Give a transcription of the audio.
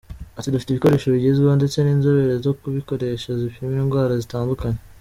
Ati’’ Dufite ibikoresho bigezweho, ndetse n’inzobere zo kubikoresha zipima indwara zitandukanye… ‘’.